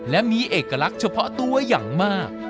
และมีเอกลักษณ์เฉพาะตัวอย่างมาก